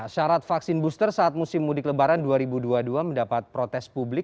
syarat vaksin booster saat musim mudik lebaran dua ribu dua puluh dua mendapat protes publik